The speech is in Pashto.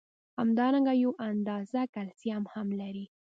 همدارنګه یو اندازه کلسیم هم لري.